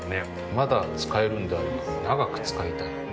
まだ使えるんであれば長く使いたい。